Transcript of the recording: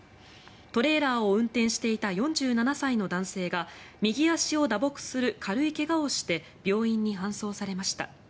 トレーラーを運転していた４７歳の男性が右足を打撲する軽い怪我をして病院に搬送されました。